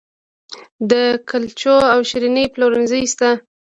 د کلچو او شیریني پلورنځي شته